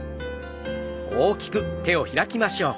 大きく開きましょう。